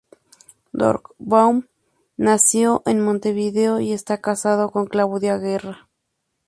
El Dr. Baum nació en Montevideo y está casado con Claudia Guerra.